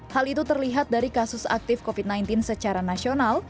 hal itu terlihat dari kasus aktif covid sembilan belas secara nasional